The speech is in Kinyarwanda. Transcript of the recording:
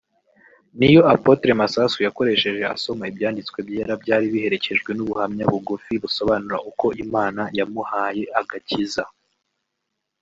niyo Apotre Masasu yakoresheje asoma ibyanditswe byera byari biherekejwe n’ubuhamya bugufi busobanura uko Imana yamuhaye agakiza